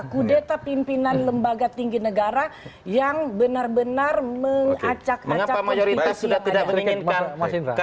kudeta pimpinan lembaga tinggi negara yang benar benar mengacak acak aspirasi yang ada di